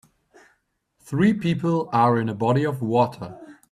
Three people are in a body of water.